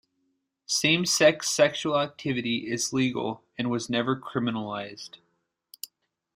Same-sex sexual activity is legal and was never criminalized.